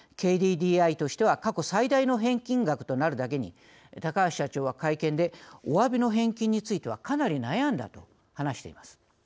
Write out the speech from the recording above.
ＫＤＤＩとしては過去最大の返金額となるだけに高橋社長は会見で「おわびの返金についてはかなり悩んだ」と話しています。